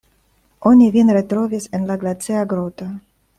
Oni vin retrovis en la glacia groto.